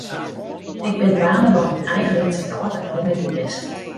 Ik bin dwaande mei myn eigen lytse wrâld en do mei dines.